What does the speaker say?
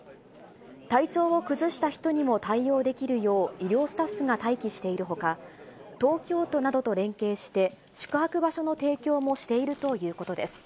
体調を崩した人にも対応できるよう医療スタッフが待機しているほか、東京都などと連携して、宿泊場所の提供もしているということです。